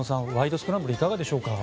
スクランブル」はいかがでしょうか。